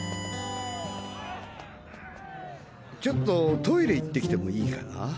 ちょっとトイレ行ってきてもいいかな？